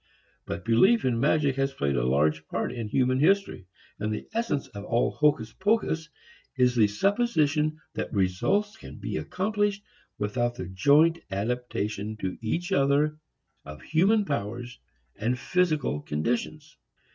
But belief in magic has played a large part in human history. And the essence of all hocus pocus is the supposition that results can be accomplished without the joint adaptation to each other of human powers and physical conditions.